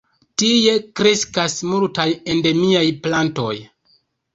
Tie kreskas multaj endemiaj plantoj.